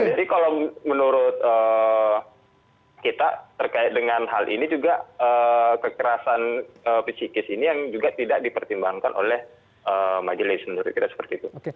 jadi kalau menurut kita terkait dengan hal ini juga kekerasan psikis ini yang juga tidak dipertimbangkan oleh majelis menurut kita seperti itu